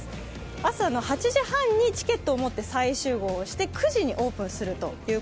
朝８時半にチケットを持って再集合して９時にオープンです。